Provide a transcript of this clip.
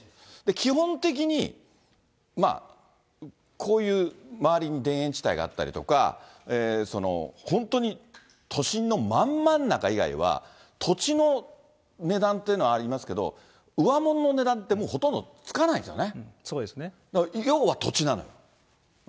基本的に、こういう、周りに田園地帯があったりとか、本当に都心のまんまん中以外は、土地の値段というのはありますけど、上物の値段って、もうほとんどつかないですよね。